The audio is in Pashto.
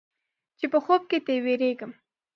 چې په خوب کې تې وېرېږم.